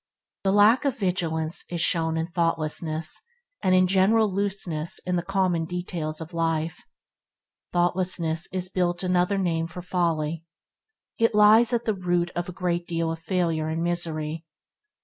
The lack of vigilance is shown in thoughtlessness and in a general looseness in the common details of life. Thoughtlessness is built another name for folly. It lies at the root of a great deal of failure and misery.